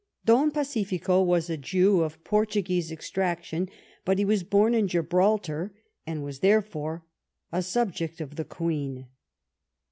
Don Pacifico was a Jew of Portuguese extraction, but he was born in Gibraltar, and was therefore a sub ject of the Queen.